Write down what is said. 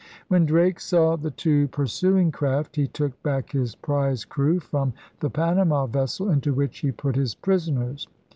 When Drake saw the two pursuing craft, he took back his prize crew from the Panama vessel, into which he put his prisoners.